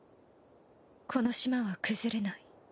この島は崩れない。